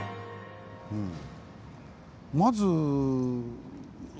うん。